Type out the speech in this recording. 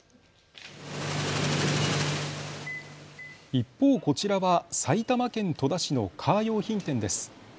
一方、こちらは埼玉県戸田市のカー用品店です。